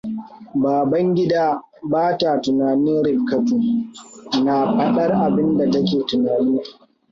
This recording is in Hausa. Babangida ba ta tunanin Rifkatu, na fadar abinda ta ke tunani.